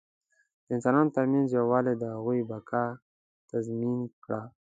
د انسانانو تر منځ یووالي د هغوی بقا تضمین کړه.